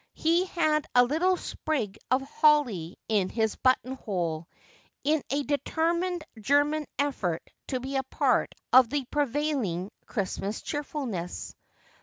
He had a little sprig of holly in his buttonhole, in a determined German effort to be a part of the prevailing Christmas cheerfulness.